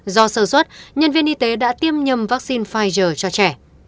do sơ xuất nhân viên y tế đã tiêm nhầm vaccine pfizer cho trẻ